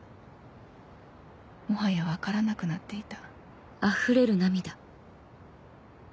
もはや分からなくなっていた